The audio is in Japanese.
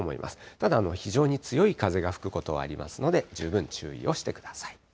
ただ、非常に強い風が吹くことはありますので、十分注意をしてください。